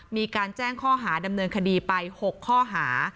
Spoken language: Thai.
มีการแจ้งข้อหาดำเนินคดีไป๖ข้อหา